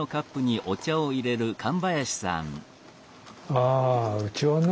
あうちはね